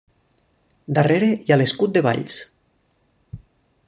Darrere hi ha l'escut de Valls.